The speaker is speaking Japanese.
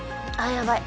やばい